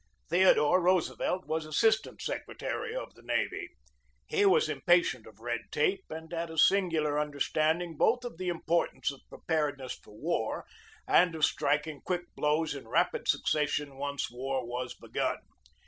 Theodore Roosevelt was assistant secretary of the navy. He was impatient of red tape, and had a singular understanding both of the importance of 167 168 GEORGE DEWEY preparedness for war and of striking quick blows in rapid succession once war was begun.